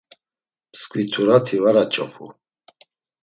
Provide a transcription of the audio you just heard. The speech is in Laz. Mtskvit̆ura ti var aç̌opu.